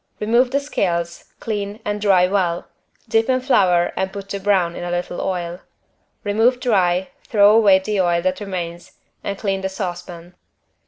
Remove the scales, clean and dry well, dip in flour and put to brown in a little oil. Remove dry, throw away the oil that remains and clean the saucepan.